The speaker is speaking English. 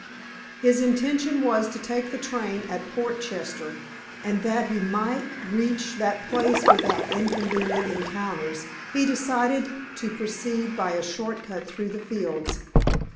His intention was to take the train at Portchester, and that he might reach that place without inconvenient encounters, he decided to proceed by a short cut through the fields.